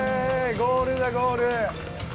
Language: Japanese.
ゴールだ、ゴール！